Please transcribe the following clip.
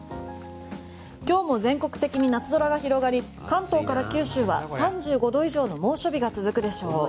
今日も全国的に夏空が広がり関東から九州は３５度以上の猛暑日が続くでしょう。